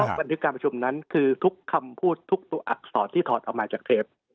บันทึกการประชุมนั้นคือทุกคำพูดทุกตัวอักษรที่ถอดออกมาจากเทป